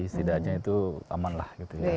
setidaknya itu amanlah